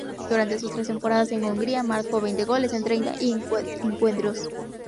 Durante sus tres temporadas en Hungría marcó veinte goles en treinta encuentros.